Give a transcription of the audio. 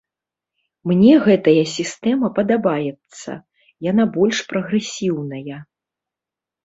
Мне гэтая сістэма падабаецца, яна больш прагрэсіўная.